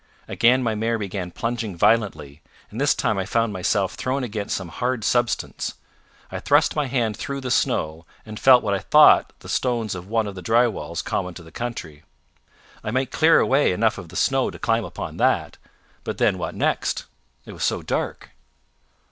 Again my mare began plunging violently, and this time I found myself thrown against some hard substance. I thrust my hand through the snow, and felt what I thought the stones of one of the dry walls common to the country. I might clear away enough of the snow to climb upon that; but then what next it was so dark?